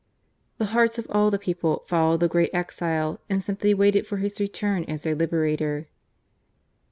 The hearts of all the people followed the great exile and simply waited for his return as their liberator.